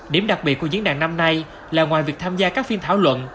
điểm đặc biệt của diễn đàn năm nay là ngoài việc tham gia các phiên thảo luận